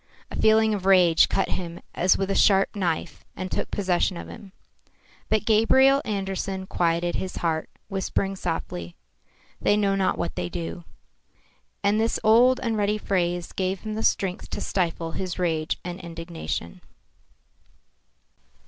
A feeling of rage cut him as with a sharp knife and took possession of him. But Gabriel Andersen quieted his heart, whispering softly, "They know not what they do." And this old and ready phrase gave him the strength to stifle his rage and indignation.